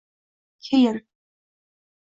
Keyin.